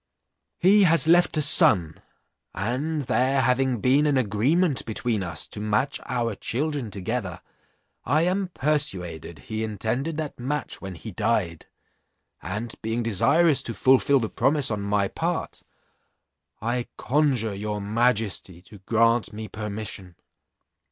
"'He has left a son, and there having been an agreement between us to match our children together, I am persuaded he intended that match when he died; and being desirous to fulfil the promise on my part, I conjure your majesty to grant me permission.'